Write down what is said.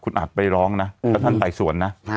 อยากปล่องนะถ้าท่านแต่ส่วนนะ